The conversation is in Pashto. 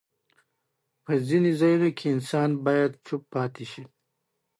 کله کله به یې خپلې خوښې اشرافي ته بلنه ورکړه.